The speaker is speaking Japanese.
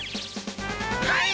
はい！